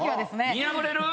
見破れる？